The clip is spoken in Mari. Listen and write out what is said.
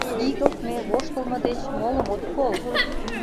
Игылтме, воштылмо деч молым от кол!